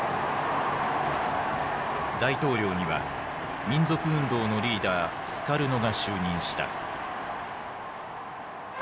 大統領には民族運動のリーダースカルノが就任した。